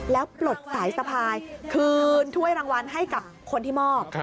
แล้วปลดสายสะพายคืนถ้วยรางวัลให้กับคนที่มอบ